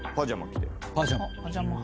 パジャマ派。